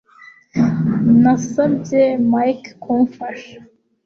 Nasabye Mike kumfasha